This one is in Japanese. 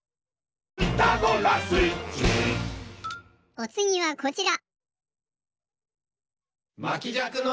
おつぎはこちら。